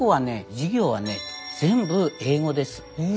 授業はね全部英語です。